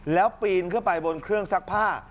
แล้วปีนขึ้นไปบนเครื่องซักผ้า